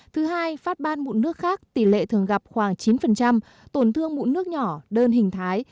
thứ hai phát ban mụn nước khác tỷ lệ thường gặp khoảng chín tổn thương mụn nước nhỏ đơn hình thái